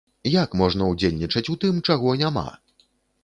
Як можна ўдзельнічаць у тым, чаго няма?